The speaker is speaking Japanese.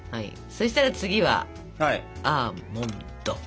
そしたら次はアーモンド。